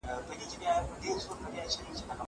زه به سبا کتابتون ته راشم.